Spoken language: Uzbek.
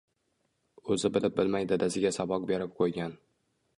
Oʻzi bilib bilmay dadasiga saboq berib qoʻygan